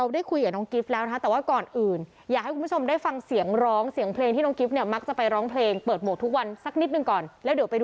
ดีแล้วที่เธอเลือกเขาดีแล้วที่เธอทิ้งไปตัวฉันมันมีแค่ใจ